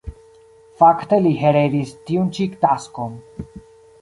Fakte li heredis tiun ĉi taskon.